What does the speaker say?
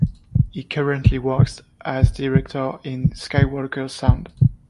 He currently works as director in Skywalker Sound.